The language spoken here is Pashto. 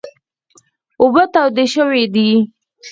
اوبه تودې شوي دي .